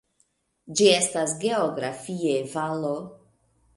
Ĝi estas geografie valo.